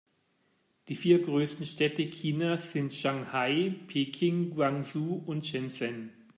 Die vier größten Städte Chinas sind Shanghai, Peking, Guangzhou und Shenzhen.